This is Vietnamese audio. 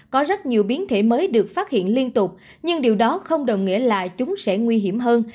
có rất nhiều biến thể mới được phát hiện liên tục nhưng điều đó không đồng nghĩa là chúng sẽ nguy hiểm hơn